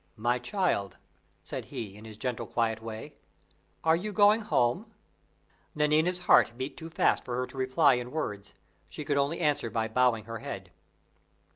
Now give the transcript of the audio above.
"My child," said he, in his gentle, quiet way, "are you going home?" Nanina's heart beat too fast for her to reply in words; she could only answer by bowing her head.